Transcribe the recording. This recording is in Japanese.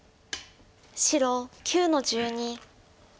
白９の十二。